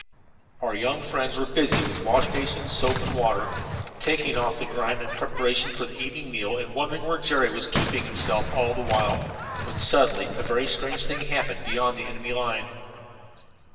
Our young friends were busy with wash basin, soap and water, taking off the grime in preparation for the evening meal and wondering where Jerry was keeping himself all the while, when suddenly a very strange thing happened beyond the enemy's line.